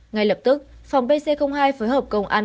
ngay lập tức phòng pc hai phối hợp công an